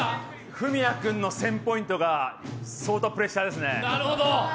文哉君の１０００ポイントが相当プレッシャーですね。